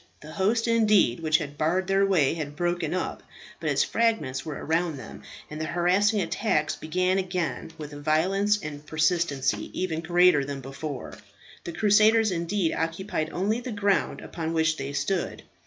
The host, indeed, which had barred their way had broken up; but its fragments were around them, and the harassing attacks began again with a violence and persistency even greater than before. The crusaders, indeed, occupied only the ground upon which they stood.